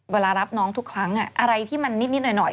เวลารับน้องทุกครั้งอะไรที่มันนิดหน่อย